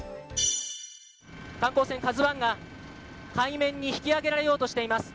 観光船「ＫＡＺＵ１」が海面に引き揚げられようとしています。